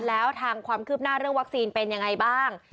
แล้วทางความคืบหน้าเรื่องวัคซีนเป็นยังไงบ้าง